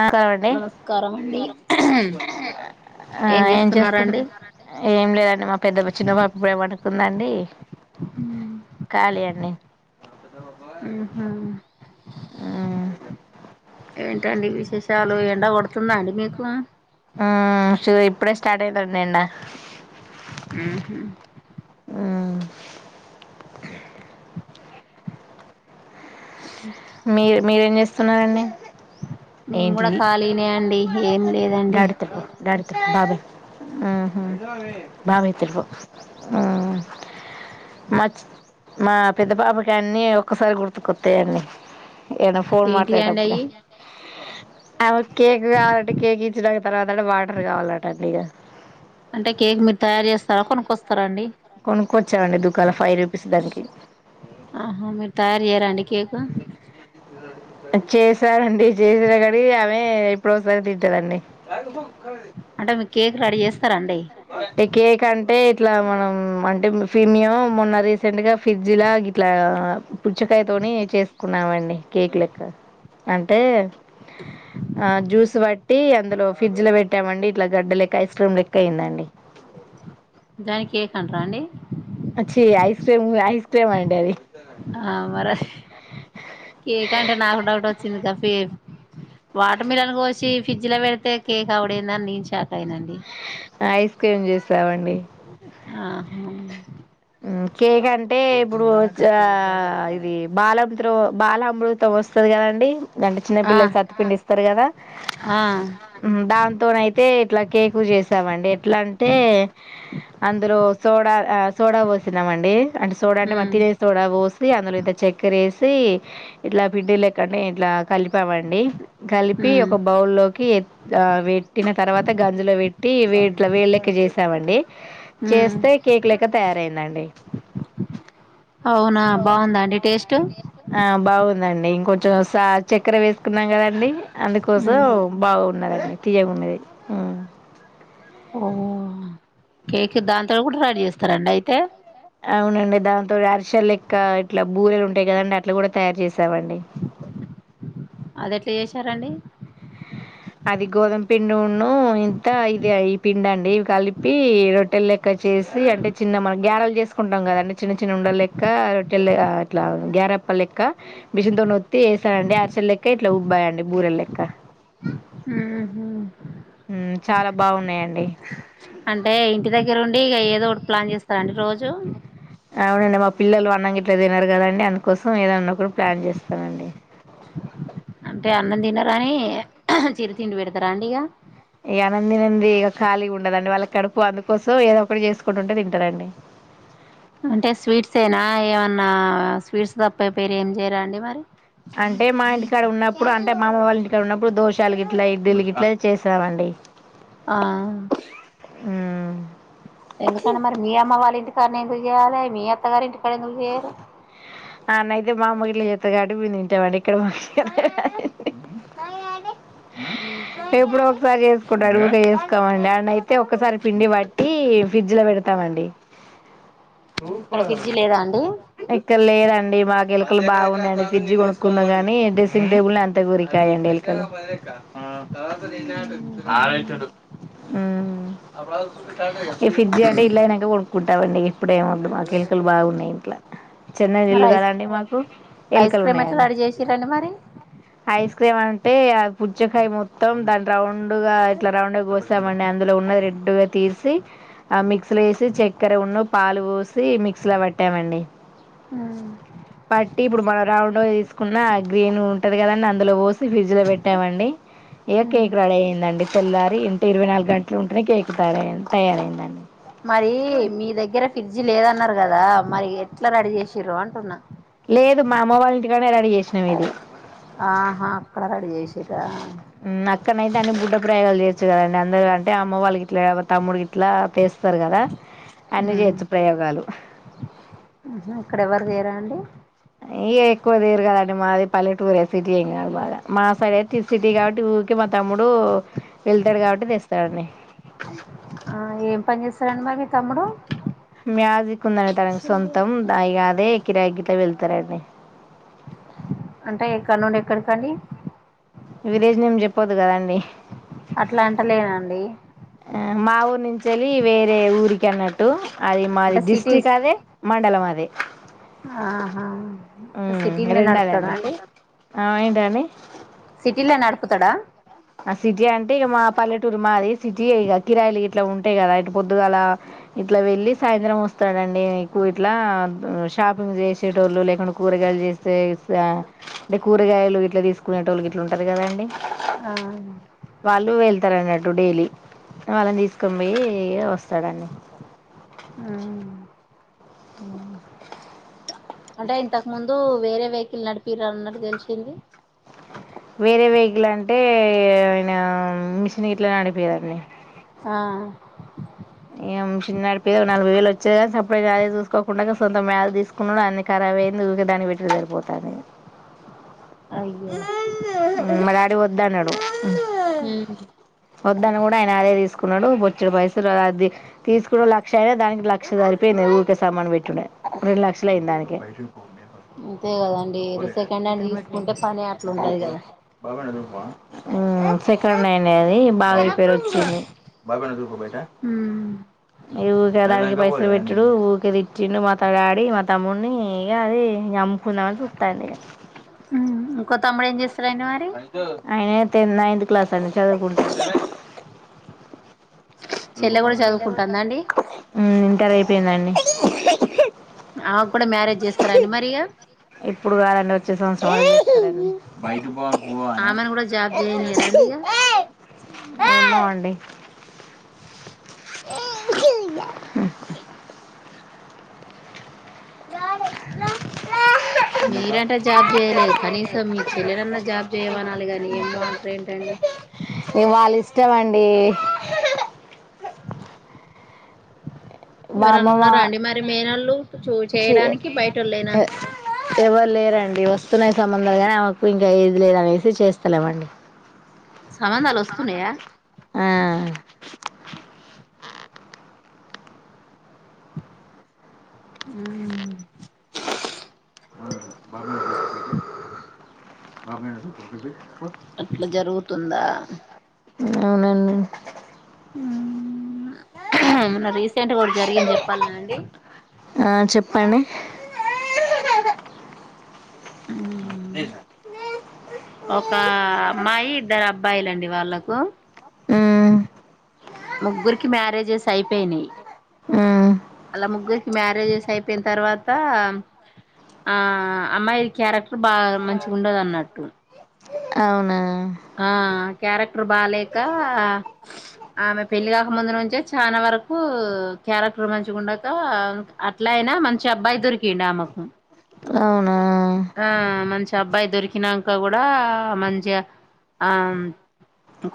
ఆ కావండి నమస్కారం అండి ఆ ఏం చేస్తుంది దండి కాలి అనే ఊహు ఏంటండి విశేషాలు ఎండ కొడుతుందా అండి మీకు ఆ ఇప్పుడే స్టార్ట్ అయిందండి ఎండ ఉహు ఉమ్ మీరు మీరేం చేస్తున్నారండి మేము కూడా ఏంటిది ఖాళీనే అండి ఏం లేదండి బాబాయ బాబాయ తెలు మా మా పెద్ద బాబుకి అన్నీ ఒక్కసారి గుర్తుకొత్తాయండి ఏదో ఫోన్ ఏంటి మాట్లాడే అండి అప్పుడ అయి అ కేక్ కావాలంటే కేక్ ఇచ్చడానికి తర్వాత అంటే వాటర్ కావాలటండి ఇక అంటే కేక్ మీరు తయారు చేస్తారా కొనుక్కొస్తారాండి కొనుక్కొచ్చామండి దుకాల ఫైవ్ రూపీస్ దానికి ఆహా మీరు తయారు చేయరండి కేకు చేసారండి చేసిన కాడి ఆమె ఎప్పుడు ఒకసారి తింటాలండి అంటే మీకు కేక్ రెడీ చేస్తా ఒకే కేక్ అంటే ఇట్లా మనం అంటే ఫ మము మొన్న రీసెంట్ గా ఫ్రిడ్జ్ లా ఇట్లా పుచ్చకాయ తోని చేసుకున్నామండి కేక్ లెక్క అంటే ఆ జ్యూస్ వాట్ అందులో ఫ్రిడ్జ్ లో పెట్టమం ఇట్లా గడ్డ లెక్క ఐస్ క్రీ లక్క అయిందండి దాన్ని కేక్ అంటార అండి ఛీ ఐస్ క్రీమ్ ఐస్ క్రీమ్ అండి అది ఆ మరే కేక్ అంటే నాకు డౌట్ వచ్చింది క ఫే వాటర్ మిలన్ కో వచ్చి ఫ్రిడ్జ్ లో పెడితే కేక్ అవ్వుడెందని నేను షాక్ అయినండి ఐస్ క్రీమ్ చేసి సేవండి అ కేక్ అంటే ఇప్పుడు ఇది బాల త బాల అమృతో వస్తుంది కదండి అంటే చిన్నపిల్లల సత్తపిండిస్తారు కదా ఆ ఆ దాంతోన అయితే ఇట్లా కేకు చేసామండి ఎట్లా అంటే అందులో సోడా సోడా పోస్తున్నామండి అంటే సోడా అంటే ఉమ్ మత్తిన సోడా వస్లీ అందులోవి చెక్కరేసి ఇట్లా పిండి లేకనే ఇట్లా కలిపామండి కలిపి ఉమ్ ఒక బౌల్లోకి పెట్టిన తర్వాత గంజిలో పట్టి ట్టి వీళ్ళకి చేసామండి ఉమ్ చేస్తే కేక్ల తయారయిందండి అవున బాగుందా అండి టేస్ట్ హా బా బాగుందండి ఇంకొంచెం సా చక్కర వేసుకున్నాం కదండి అందుకోసం ఉమ్ బాగున్నదండి తియ్యగా ఉన్నది ఓ కేక దాని ఇక్కడ రడీ చేసుకురండి అయితే అవునండి దాంతో అరిసె లెక్క ఇట్లా బూరెలు ఉంటాయి కదండి అట్లా కూడా తయారు చేస్త సవండి సరండి అది గోధుమ పింన్న ఇంత ఇది ఈ పిండు అండి ఇవి కలిపి రొట్టెలు లెక్క చేసి అంటే చిన్న మన గ్యారలు చేసుకుంటాం కదండి చిన్న చిన్న ఉండల లెక్క రొట్టె ఇట్లా గారెప్ప లెక్క మిషన్ తనొత్తి వేసానుండి అరచెల లెక్క ఇట్లా ఉబ్బాయిడి బూరె లెక్క ఉహు చాలా బాగున్నాయండి అంటే ఇంటి దగ్గరూండి ఇక ఏదో ఒకటి ప్లాన్ చేస్తారండి రోజు అవునండి మా పిల్లలు అన్న ఇట్లా తినారు కదండి అందుకోసం ఏదన్నా కూడా ప్లాన్ చేస్తానండి అంటే అన్నం తినరని చిరు తిండి పెడతారా అండి ఇక ఇ ఆనంది నంది ఇక ఖాళీగా ఉండదండి వాళ్ళ కడుపు అందుకోసం ఏదో ఒకటి చేసుకుంటుంటే తింటారండి అంటే స్వీట్స్ ఏనా ఏమన్నా స్వీట్స్ తప్ప బిర్యానీ ఏం చేయరా అండి మరి అంటే మా ఇంటికాడ ఉన్నప్పుడు ఇప్పుడు అంటే మామ వాళ్ళ ఇంటిక్కడ ఉన్నప్పుడు దోషాలు ఇట్లా ఇడ్లీలు గ ఇట్లా చేస్తము అండి ఆ మ్మ్మ్మ్ కానీ ఇది కాదని అత్త గారింటికి ఎందుకు చేయరు అన అయితే మామూగిలు చేస్త డు మీ తింటావాడి ఇక్కడ మంచిగా ఎప్పుడు ఒకసారి చేసుకుంటాడు ఇంకా చేసు కవండి అయితే ఒకసారి పిండి పట్టి ఫ్రిడ్జ్ లో పెడతామండి ఇక్కడ ఫ్రిడ్జ్ లేదా అండి అయితే లేదా మాకు ఎలుకలు బాగున్నాయండి ఫ్రిడ్జ్ కొనుక్కున్నాగాని డ్రెస్సింగ్ టేబుల్ అంత కోరికయండి ఎలుకలు హుహు. మ్ ఫ్రిడ్జ్ గంట ఇట్లనే పడు కుంటావండి ఇప్పుడేమెూద్దు మా గిళకలు బాగున్నాయి ఇంట్ల చిన్న మరి ఇల్లు ఐస్ కదండి మాకు ఐస్ ఎలుకలు క్రీమ్ ఎట్లా ఉన్నాయండి రెడీ చేసిరండి మరి ఐస్ క్రీమ్ అ అంటే ఆ పుచ్చకాయ మొత్తం దాని రౌండ్ గా ఇట్లా రౌండ్గా కోసామండి అందులో ఉన్న రెడ్డుగా తీసి ఆ మిక్స్లో వేసి చక్కెర ఉన్న పాలు పోసి మిక్స్లా పెట్టామండి పట్టి ఇప్పుడు మనం రౌండ్ తీసుకున్న గ్రీన్ ఉంటది కదండి అందులో పోసి ఫ్రిడ్జ్ లో పెట్టామండి ఎక కేక్ రెడీ అయిందండి తెల్లారి ఇంటి ఇరవై నాలుగు గంటలు ఉంటేనే కేక్ తయార తయారయ తయారయిందండి మరి మీ దెగ్గెర ఫ్రిడ్జ్ లేదన్నారు కదా మరి ఎట్ ఎట్ల రెడి చేసిర్రు అంటున్నా లేదు మా అమ్మ వాళ్ళ ఇంటికాడనే రడీ చేసినాం ఇది ఆహా అక్కడ రెడీ చేసిర్రా నక్కన్నా అయితే బుడ్డ ప్రయోగాలు కదండి అందరు అంటే అమ్మ వాళ్ళు గిట్ల ఎవరు తమ్ముడు అట్లా చేస్తారు కదా అన్ని చేయొచ్చు ప్రయోగాలు ఉ ఇయ ఎక్కువ తీరు కదండి మాది పల్లెటూరే సిటీ ఏం కాదు బాగా మా సారి అయితే సిటీ కాబట్టి ఊరికి మా తమ్ముడు వెళ్తాడు కాబట్టి తెస్తా ఉండె ఆ ఏం పని చేస్తారండి మరి తమ్ముడు మ్యాజిక్ ఉందంట తనికి సొంతం ఇగా అదే కిరాయ్ గిట్ల వెళ్తారండి అంటే ఎక్కడ్నుండి ఎక్కడికండి విలేజ్ నేమ్ చెప్పోద్దు కదండి అట్లా అంట లేనండి మా ఊరు నుంచి వెళ్ళి వేరే ఊరికి అన్నట్టు అది మాది అంటే సిటీస్ డిస్టిక్ అదే మండలం అదె [unintelligible] ఆహా అంటే మ్ సిటీలనే నడుపుతాడా [unintelligible] ఆ ఏంటండి సిటీలా నడుపుతడా ఆ సిటీ అంటే ఇక మా పల్లెటూరు మాది సిటీ ఇక కిరాయిలు గిట్లా ఉంటాయి కదా అంటే పొద్దుగాల ఇట్లా వెళ్ళి సాయంత్రం వస్తాడండి ఎక్కువ ఇట్లా షాపింగ్ చేసేటోళ్ళు లేకుంటే కూరగాయలు చేసేసె అంటే కూరగాయలు గిట్లా తీసుకునేటోళ్ళు ఇట్లా ఉంటారు కదాండి ఆ వాళ్ళు వెళ్తారు అన్నట్ డైలీ వాళ్ళని తీసుకొంపోయ్యి వస్తాడు అండి ఆ ఆ అంటే ఇంతకు ముందు వేరే వెహికిల్ నడిపిర్ అన్నట్టు తెలిసింది వేరే వెహికల్ అంటే ఆయన మిషన్ గిట్ల నడిపిర్రండి ఆ ఏం చిన్నడి పేరు ఒక నలభై వేలు వచ్చే కాని సప్లై అదే చూసుకోకుండా సొంత మేల తీసుకున్నాడు అన్ని ఖరాబ్ అయింది ఊకే దాన్ని బెట్టుడు సరిపోతాంది ఇక అయ్యో మాడెడీ వద్దు అన్నాడు ని కూడా ఆయన అదే తీసుకున్నాడు బొచ్చడు పైసలు తీసుకోవడం లక్ష అయే దానికి లక్ష సరిపోయింది ఊరికే సామాన్ పెట్టు రెండు లక్షలు అయింది దానికే అంతే కదండి సెకండ్ హ్యాండ్ తీసుకుంటే పని అట్లుంటది కదా బాబనా సెకండ్ హ్యాండ్ అది బాబాయ్ పేరు వచ్చింది ఈ ఊకే దానికి పైసలు పెట్టుడు ఊకే తిట్టిండు మా డాడీ మా తమ్ముడిని ఇగ అది అమ్ముకుందామని చూస్తుంది ఇంకో తమ్ముడెం చెస్ ఆయిన్ టెన్ నైన్త్ క్లాస్ అండి చదువుకుంటాండు ఉ చెల్లె కూడా చదువుకుంటుందా అండి టర్ అయిపోయిందండి ఆమె కూడా మ్యారేజ్ చేస్తారా అండి మరి ఇగ ఇప్పుడు కాదండి వచ్చే సంవత్సరం [unintelligible] ఆమెను కూడా జాబ్ చేయనియ్యరా అండి ఇగ ఎమ్మో అండి ఉమ్ ారు మీరంటే జాబ్ చేయలే కనీసం మీ చెల్లెనన్నా జాబ్ చేయమనాలి గాని ఏమో అంటారు ఏంటండి ఇగ వాళ్ళిష్ట చమండి మా ఎవరన్నా అమ్మమ్మ ఉన్నారా అండి మరి మేనళ్ళు చూ చి చేయడానికి బయటోళ్ళేనా ఎవరు లేరండి వస్తున్నయి సంబందాలూ గాని ఆమెకు ఇంకా ఏది లేదనేసి చేస్తలేమండి సంబంధాలు వస్తున్నాయా ఆ ఆ [unintelligible] అట్ల జరుగుతుందా అవునండి మోన్న రీసెంట్గా ఓకటి జరిగింది చెప్పాల్నా అండి ఆ చెప్పండి మ్ [unintelligible] ఒక అమ్మాయి ఇద్దరు అబ్బాయిలండి అండి వాళ్ళకు మ్మ్ ముగ్గురికి మ్యారేజెస్ అయి పెనేయ్ మ్ వాళ్ళ ముగ్గురికి మ్యారేజెస్ అయిపోయిన తర్వాత ఆ అమ్మాయి క్యారెక్టర్ బాగా మంచి ఉండదు అన్నట్టు అవునా ఆ క్యారెక్టరు బాలేేక ఆమె పెళ్లిగాక ముందు నుంచే చానా వరకు క్యారెక్టర్ మంచిగుండక అట్లయినా మంచి అబ్బాయి దొరికిండు ఆమెకు ఆ ఆ మంచి అబ్బాయి దొరికినాంక కూడా మంచిగా ఆ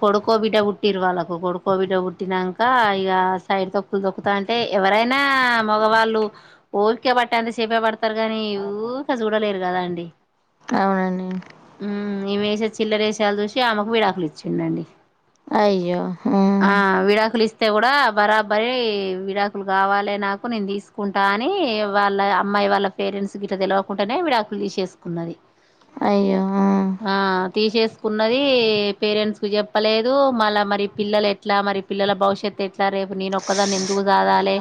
కొడుకో బిడ్డ పుట్టిరు వాళ్ళకు కొడుకో బిడ్డ పుట్టినాక ఇక సైడ్ తొక్కులు తొకుతా అంటే ఎవరైనా నా మగవాళ్ళు ఓపికె బట్టేంత సెపె పడత తరుగానీ ఊకె చూడ్ లెరు గదా అండి అవునండి ఇమేసే చిల్లర ఏశాలు చూసి ఆమెకు విడాకులు ఇచ్చిండండి అయ్యో యితే కూడా బరాబరి విడాకులు కావాలి నాకు నేను తీసుకుంటా అని వాళ్ళ అమ్మాయి వాళ్ళ పేరెంట్స్ గిట్ల తెలెవ కుంటనే విడాకులు తీసేసుకున్నది అయ్యో కున్నది పేరెంట్స్ కి చెప్పలేదు మళ్ళ మరి పిల్లలు ఎట్లా మరి పిల్లల భవిష్యత్తు ఎ ట్లా రేపు నేను ఒక్కదాన్ని ఎందుకు సాదాలే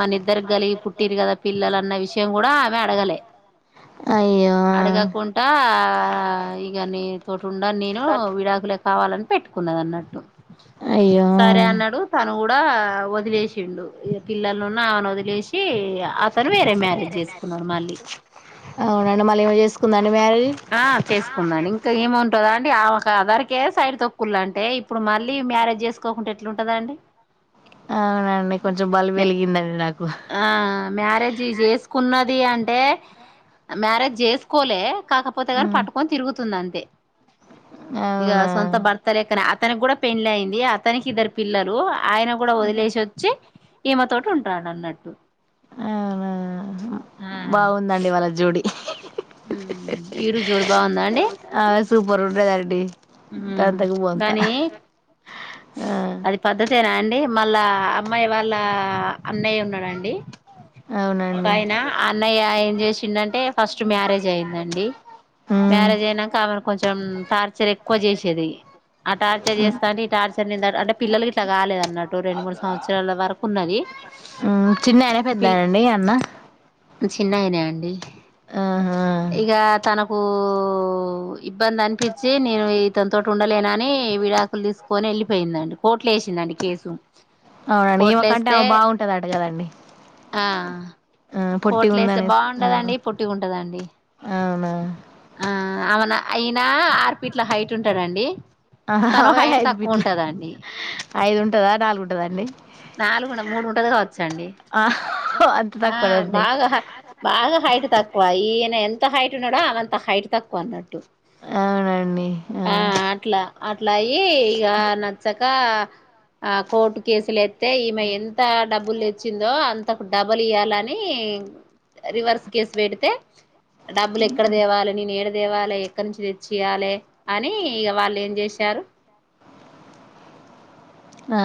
మనిద్దరి కలిగి పుట్టిరు కదా పిల్లలు అన్న విషయం కూడా ఆమె అడగలే అయ్యో ఉమ్, అడగకుంటా ఇగ నీ తోటి ఉండన్ నేను విడాకులే కావాలని పెట్టుకున్నది అన్నట్టు అయ్యో సరే ఉమ్. అన్నాడు తను కూడా ఆ వదిలేసిండు పిల్లలనున్ను ఆమెను వదిలేసి కి అతను వేరే మ్యారేజ్ చేసుకున్నాడు మళ్ళీ అవునండి మళ ఈమె చేసుకుందా ఆ చేసుకుందాండి ఇంక ఈముంటదా అండి ఆమ అదరికే సైడ్ తొక్కులు అంటే ఇప్పుడు మళ్ళీ మ్యారేజ్ చేసుకోకుండా ఎట్లుంటదండి అవునండి కొంచెం బల్బు వెలిగిందండి నాకు ఆ మ్యారేజి చేసుకున్న ది అంటే మ్యారేజ్ చేసుకోలే కాకపోతే కాని మ్మ్ పట్టుకొని తిరుగుతుంది అంతే ఇగా అవునా స్వంత బర్తలేక్కనే ఆతనీకి కూడ పెండ్లి అయింది అతనికి ఇద్దరు పిల్లలు ఆయన కూడా వదిలేసి వొచ్చి ఈమె తో ఉంటాండు అన్నట్టు అవున బాగుందండి వాళ్ళ జోడి ఈడు జోడు బాగుందా అండి ఆ సూపర్ ఉంటదండి మ్మ్ దంతకు బొంత కానీ ఆ అది పద్ధతి చూసారా అండి మళ్ళా అమ్మాయి వాళ్ళ అన్నయ్య ఉన్నాడాండి ఒక అవునండి ఆయన ఆ అన్నయ్య ఏం చేసిందింటే ఫస్ట్ మ్యారేజ్ అయిందండి ఉమ్ మ్యారేజ్ అయినాక ఆమెను కొంచెం టార్చర్ ఎక్కువ చేసేది ఆ టార్చర్ చేస్తాంటే ఈ టార్చర్ అంటే పిల్లలు ఇట్లా కాలేదు అన్నట్టు రెండు మూడు సంవత్సరాల వరకు ఉన్నది పెద్ద అండీ అన్న చిన్నయినా అండి ఆహా ఉ ఇబ్బంది అనిపించి నేను ఇతనితోటి ఉండను లేనని విడాకులు తీసు కొనెల్లి పోయిందండి కోట్లు వేసిందండి కేసు అవునండి ఈమె కోర్టులో కంటే వేస్తే అమ్మే బాగుంటది అటగదండి ఆ కోట్లే వస్తే ఆ బాగుండదండి పొట్టిఉంటదండి అవునా ఆ ఆమన అయినా అర్రుఫీట్ల హైట్ ఉంటది అండి ఆ అవే అయిది ఐదు ఉంటందా నాలుగు ఉ నాలుగున్న మూడు ఉంటది కావచ్చా అండి ఆ అంత ఆ తక్కువనండి బాగా హ బాగా హైట్ తక్కువ ఈయన ఎంత ఎంత హైట్ ఉన్నాడో అమ్మే అంత హైట్ తక్కువ అన్నట్టు ఆ అట్లా అట్లా అయి ఇక నచ్చక ఆ కోట్ కేసులు ఎ అయితే ఈమె ఎంత డబ్బు లేచిందో అంతకు డబల్ ఇయ్యాలని ఏ రివర్స్ కేస్ పెడితే డబ్బులు ఎక్కడ తేవాలి నేను ఏడ దేవాలే ఎక్కడ నుంచి తెచ్చి ఇయ్యాలే అని వాళ్ళు ఏం చేశారు ఆ